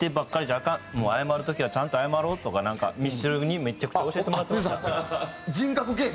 謝る時はちゃんと謝ろうとかなんかミスチルにめちゃくちゃ教えてもらってました。